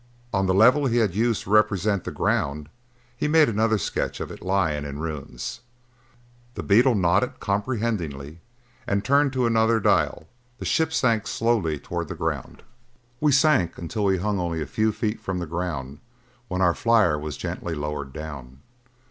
On the level be had used to represent the ground he made another sketch of it lying in ruins. The beetle nodded comprehendingly and turned to another dial; the ship sank slowly toward the ground. We sank until we hung only a few feet from the ground when our flyer was gently lowered down.